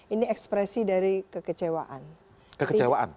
ini ekspresi dari kekecewaan